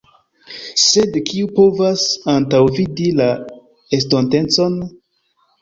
Sed kiu povas antaŭvidi la estontecon?